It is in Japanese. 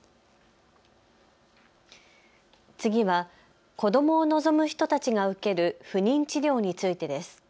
次は子どもを望む人たちが受ける不妊治療についてです。